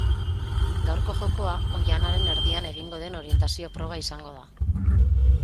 Gaurko jokoa oihanaren erdian egingo den orientazio proba izango da.